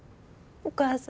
お母さん！